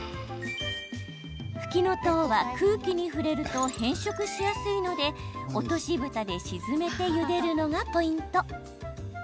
ふきのとうは空気に触れると変色しやすいので落としぶたで沈めてゆでるのがポイント。